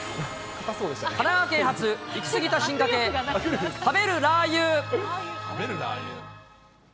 神奈川県発、行き過ぎた進化系、食べるラー油。